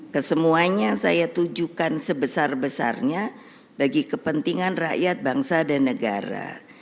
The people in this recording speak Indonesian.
kesemuanya saya tujukan sebesar besarnya bagi kepentingan rakyat bangsa dan negara